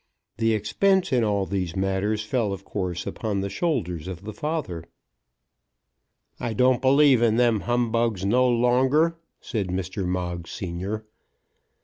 The expense in all these matters fell of course upon the shoulders of the father. "I don't believe in them humbugs no longer," said Mr. Moggs senior.